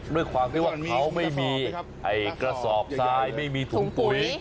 ด้วยความที่ว่าเขาไม่มีกระสอบทรายไม่มีถุงปุ๋ย